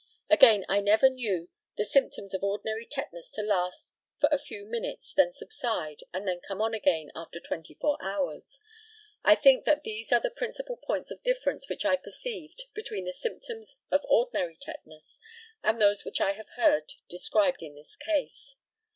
Again, I never knew the symptoms of ordinary tetanus to last for a few minutes, then subside, and then come on again after 24 hours. I think that these are the principal points of difference which I perceived between the symptoms of ordinary tetanus and those which I have heard described in this case.